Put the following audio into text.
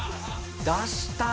出したな！